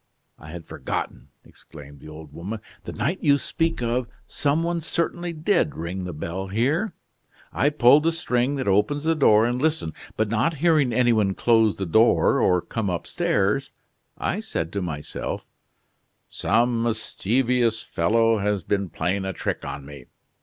I had forgotten," exclaimed the old woman. "The night you speak of some one certainly did ring the bell here. I pulled the string that opens the door and listened, but not hearing any one close the door or come upstairs, I said to myself: 'Some mischievous fellow has been playing a trick on me.